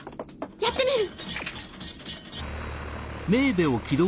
やってみる。